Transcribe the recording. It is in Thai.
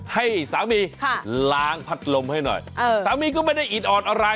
ให้สามีล้างพัดลมให้หน่อยสามีก็ไม่ได้อิดอ่อนอะไร